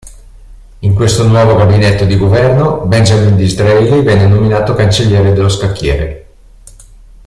In questo nuovo gabinetto di governo, Benjamin Disraeli venne nominato Cancelliere dello Scacchiere.